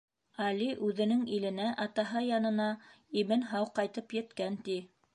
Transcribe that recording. Али үҙенең иленә, атаһы янына имен-һау ҡайтып еткән, ти.